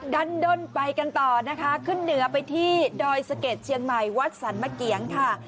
ดันด้นไปกันต่อนะคะขึ้นเหนือไปที่ดอยสะเก็ดเชียงใหม่วัดสรรมะเกียงค่ะ